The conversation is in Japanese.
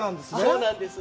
そうなんです。